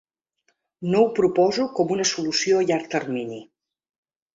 No ho proposo com una solució a llarg termini.